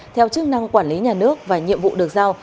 theo chức năng quản lý nhà nước và nhiệm vụ được giao